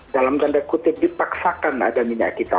dalam tanda kutip dipaksakan ada minyak kita